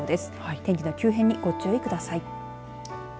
天気の急変にご注意ください。